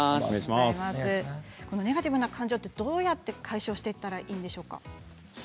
ネガティブな感情、どうやって解消していったらいいんでしょうか。